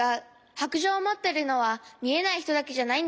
白杖をもってるのはみえないひとだけじゃないんだよ。